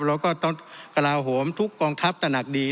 เราก็ต้องกลาโหมทุกกองทัพตะหนักดี